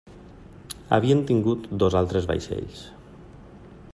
Havien tingut dos altres vaixells.